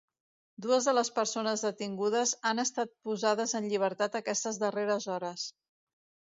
Dues de les persones detingudes han estat posades en llibertat aquestes darreres hores.